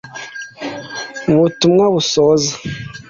Mu butumwa busoza